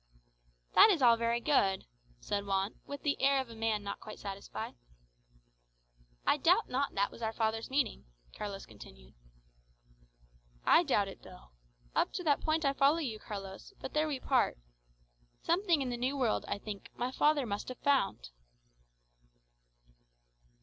"That is all very good," said Juan, with the air of a man not quite satisfied. "I doubt not that was our father's meaning," Carlos continued. "I doubt it, though. Up to that point I follow you, Carlos; but there we part. Something in the New World, I think, my father must have found."